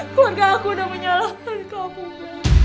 keluarga aku udah menyalahkan kamu